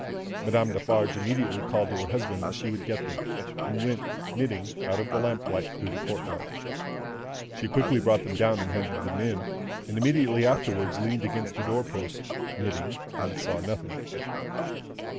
Madame Defarge immediately called to her husband that she would get them, and went, knitting, out of the lamplight, through the courtyard. She quickly brought them down and handed them in; and immediately afterwards leaned against the door post, knitting, and saw nothing.